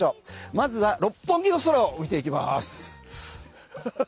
まずは六本木の空見ていきます。